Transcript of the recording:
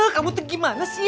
kamu itu gimana sih